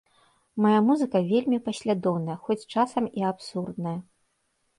Мая музыка вельмі паслядоўная, хоць часам і абсурдная.